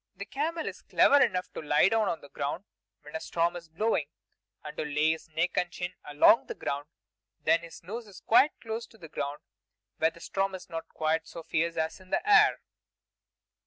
The camel is clever enough to lie down on the ground when a storm is blowing, and to lay his neck and chin along the ground; then his nose is quite close to the ground, where the storm is not quite so fierce as in the air.